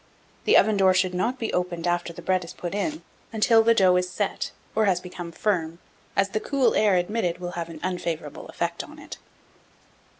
The oven door should not be opened after the bread is put in until the dough is set, or has become firm, as the cool air admitted will have an unfavourable effect on it.